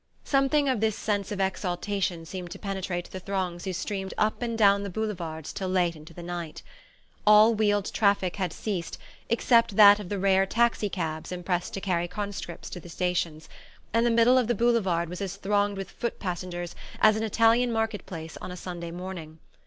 Something of this sense of exaltation seemed to penetrate the throngs who streamed up and down the Boulevards till late into the night. All wheeled traffic had ceased, except that of the rare taxi cabs impressed to carry conscripts to the stations; and the middle of the Boulevards was as thronged with foot passengers as an Italian market place on a Sunday morning.